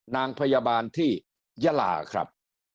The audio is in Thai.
นางพยาบาลที่ยาลาครับ